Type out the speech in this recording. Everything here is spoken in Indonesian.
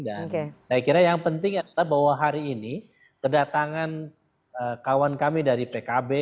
dan saya kira yang penting adalah bahwa hari ini kedatangan kawan kami dari pkb